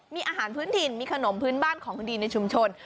มีอาหารพื้นถิ่นมีขนมพื้นบ้านของดีในชุมชน